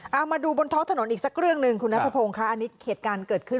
เอามาดูบนท้องถนนอีกสักเรื่องหนึ่งคุณนัทพงศ์ค่ะอันนี้เหตุการณ์เกิดขึ้น